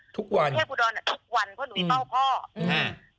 ทุกวันเพราะหนูมีเป้าพ่อ